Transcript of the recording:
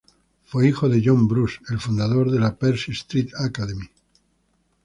Fue hijo de John Bruce, el fundador de la "Percy Street Academy".